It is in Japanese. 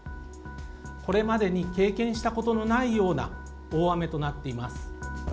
これまでに経験したことのないような大雨となっています。